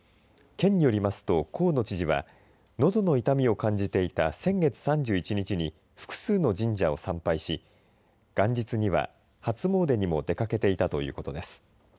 県によりますと河野知事はのどの痛みを感じていた先月３１日に複数の神社を参拝し元日には初詣にも出かけていたということです。